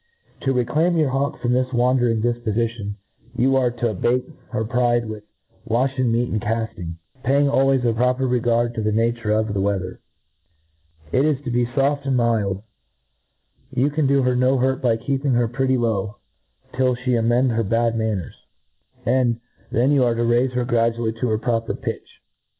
To reclaim your hawk from this wandering difpofition, you are to abate her pride with wa&ea meat and cafting, paying always a proper xeganl to the nature of the weather. If it be foft and mild» IdODERN FAULCONRY. 187 iBiId, yovjt ,c^n 4o her no hurt by keeping her •, pretty low, iUI fhe ammd her bad 'manners ; an4 (hen you are to rsdlb her gradjually to her proper pitch.